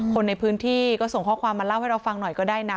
คนในพื้นที่ก็ส่งข้อความมาเล่าให้เราฟังหน่อยก็ได้นะ